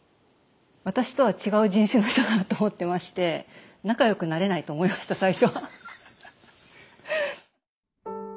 私とは違う人種の人だなと思ってまして仲よくなれないと思いました最初は。